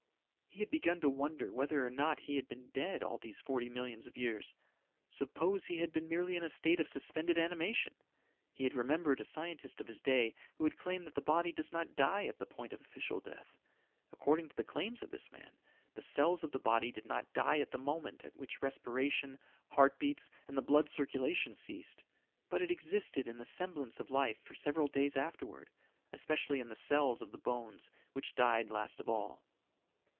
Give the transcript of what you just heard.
He had begun to wonder whether or not he had been dead all these forty millions of years suppose he had been merely in a state of suspended animation. He had remembered a scientist of his day, who had claimed that the body does not die at the point of official death. According to the claims of this man, the cells of the body did not die at the moment at which respiration, heart beats and the blood circulation ceased, but it existed in the semblance of life for several days afterward, especially in the cells of the bones, which died last of all.